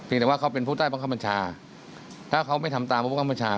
เพียงแต่ว่าเขาเป็นผู้ใต้ประคับปัญชาถ้าเขาไม่ทำตามผู้ประคับปัญชา